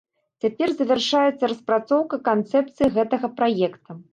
Цяпер завяршаецца распрацоўка канцэпцыі гэтага праекта.